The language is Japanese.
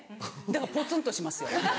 だからぽつんとしますよ